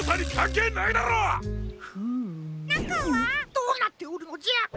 どうなっておるのじゃ？